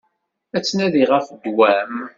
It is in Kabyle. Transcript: Ad tnadiɣ ɣef ddwa-m.